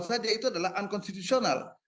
saja itu adalah unconstitutional